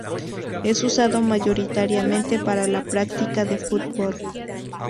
Es usado mayoritariamente para la práctica del Fútbol.